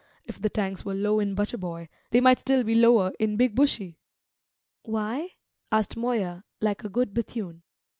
If the tanks were low in Butcher boy, they might be lower still in Big Bushy " "Why?" asked Moya, like a good Bethune.